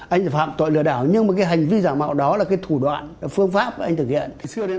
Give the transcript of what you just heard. anh sẽ phạm tội lừa đảo nhưng hành vi giả mạo đó là thủ đoạn phương pháp anh thực hiện